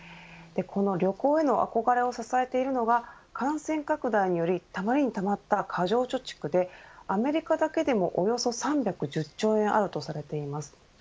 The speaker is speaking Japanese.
この旅行への憧れを支えているのが感染拡大により貯まりに貯まった過剰貯蓄でアメリカだけでもおよそ３１０兆円あるとされています。